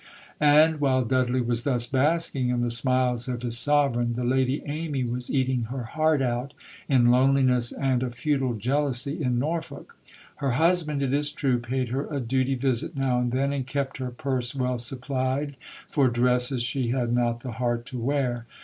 And, while Dudley was thus basking in the smiles of his Sovereign, the Lady Amy was eating her heart out in loneliness and a futile jealousy in Norfolk. Her husband, it is true, paid her a duty visit now and then, and kept her purse well supplied for dresses she had not the heart to wear.